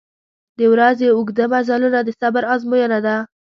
• د ورځې اوږده مزلونه د صبر آزموینه ده.